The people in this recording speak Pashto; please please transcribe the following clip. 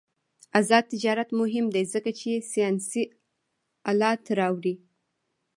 آزاد تجارت مهم دی ځکه چې ساینسي آلات راوړي.